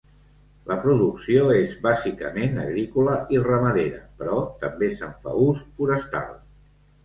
La producció és bàsicament agrícola i ramadera, però també se'n fa ús forestal.